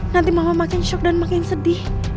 nanti mama makin shock dan makin sedih